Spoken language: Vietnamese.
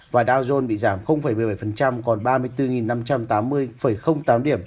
và dow jones bị giảm một mươi bảy còn ba mươi bốn năm trăm tám mươi tám điểm